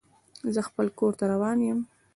زه خپل کور ته روان یم.